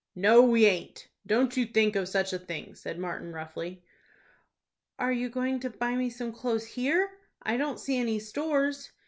"No, we aint. Don't you think of such a thing," said Martin, roughly. "Are you going to buy me some clothes here? I don't see any stores."